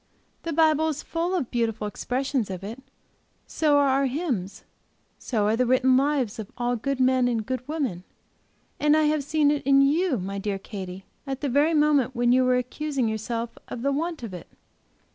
The Bible is full of beautiful expressions of it; so are our hymns; so are the written lives of all good men and good women; and I have seen it in you, my dear Katy, at the very moment you were accusing yourself of the want of it.